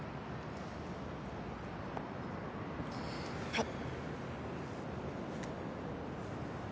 はい。